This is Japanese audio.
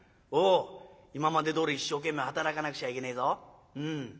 おお今までどおり一生懸命働かなくちゃいけねえぞ。